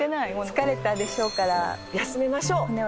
疲れたでしょうから骨を休めましょう。